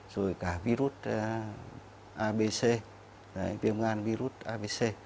rồi cả virus abc